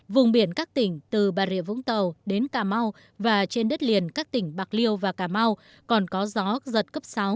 vùng biển các tỉnh từ bà rịa vũng tàu đến cà mau và trên đất liền các tỉnh bạc liêu và cà mau còn có gió giật cấp sáu